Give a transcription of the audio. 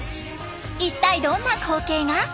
一体どんな光景が？